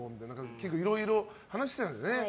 結構、いろいろ話してたんだよね。